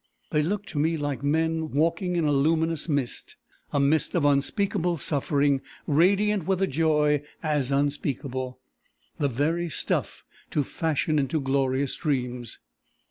They looked to me like men walking in a luminous mist a mist of unspeakable suffering radiant with a joy as unspeakable the very stuff to fashion into glorious dreams.